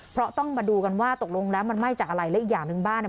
เพราะต้องมาดูกันว่าตกลงแล้วมันไหม้จากอะไรและอีกอย่างหนึ่งบ้านเนี่ย